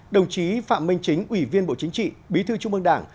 đồng chí phạm minh chính ủy viên bộ chính trị bí thư trung ương đảng